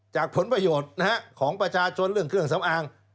ผลประโยชน์ของประชาชนเรื่องเครื่องสำอาง